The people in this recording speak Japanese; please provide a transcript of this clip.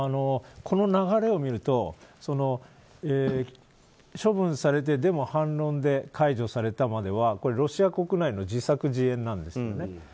この流れを見ると処分されて、でも反論で解除された、まではロシア国内の自作自演なんですね。